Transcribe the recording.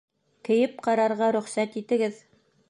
Кейеп ҡарарға рөхсәт итегеҙ